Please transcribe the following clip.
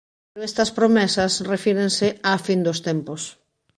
Pero estas promesas refírense á «fin dos tempos».